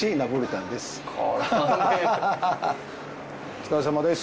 お疲れさまです。